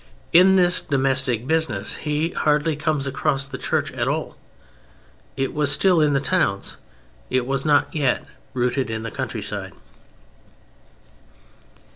In this domestic business he hardly comes across the Church at all. It was still in the towns. It was not yet rooted in the countryside.